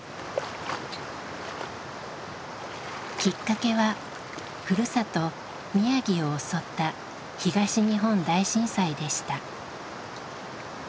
きっかけはふるさと宮城を襲った東日本大震災でした。